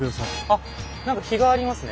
あ何か碑がありますね。